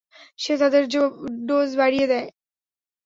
সে তাদের ডোজ বাড়িয়ে দেয়।